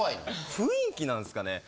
雰囲気なんすかね。